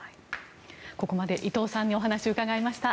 ここまで伊藤さんにお話を伺いました。